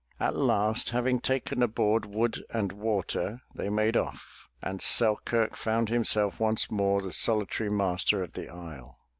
At last, having taken aboard wood and water, they made off and Selkirk found himself once more the solitary master of the isle.